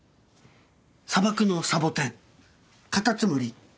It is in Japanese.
『砂漠のサボテン』『カタツムリ』。